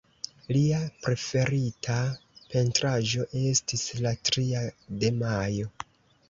Lia preferita pentraĵo estis La tria de majo.